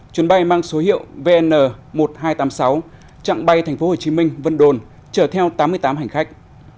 chuyến bay mang số hiệu vn một nghìn hai trăm tám mươi sáu chặng bay tp hcm vân đồn chở theo tám mươi tám hành khách